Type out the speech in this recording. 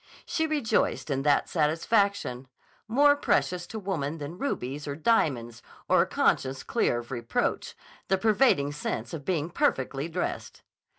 She rejoiced in that satisfaction, more precious to woman than rubies or diamonds or a conscience clear of reproach, the pervading sense of being perfectly dressed.